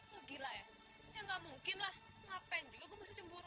lo gila ya ya gak mungkin lah maafin juga gue masih cemburu